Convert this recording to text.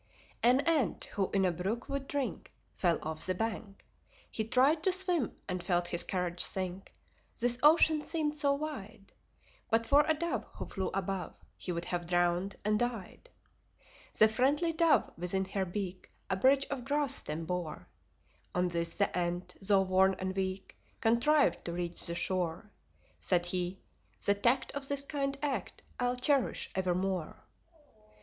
An Ant who in a brook would drink Fell off the bank. He tried To swim, and felt his courage sink This ocean seemed so wide. But for a dove who flew above He would have drowned and died. The friendly Dove within her beak A bridge of grass stem bore: On this the Ant, though worn and weak. Contrived to reach the shore Said he: "The tact of this kind act I'll cherish evermore."